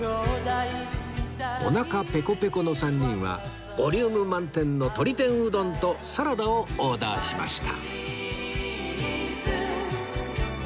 おなかペコペコの３人はボリューム満点の鶏天うどんとサラダをオーダーしました